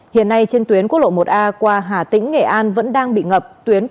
hiện nay trên tuyến quốc lộ một a qua hà tĩnh nghệ an vẫn đang bị ngập tuyến